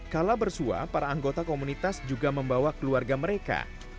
kala bersuah para anggota komunitas juga membawa keluarga mereka